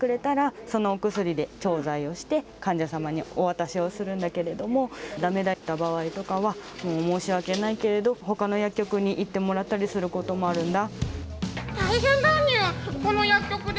先生がいいよって言ってくれたらそのお薬で調剤をして患者さまにお渡しをするんだけれどもだめだった場合とかは申し訳ないけれどほかの薬局に行ってもらったりすることもあるんだ。